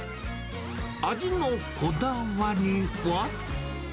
味のこだわりは。